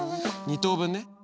２等分ね。